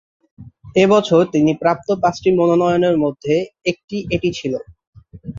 এ বছর তিনি প্রাপ্ত পাঁচটি মনোনয়নের মধ্যে একটি এটি ছিল।